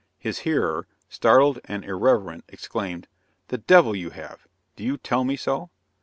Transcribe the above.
His hearer, startled and irreverent, exclaimed: "The devil you have! Do you tell me so?"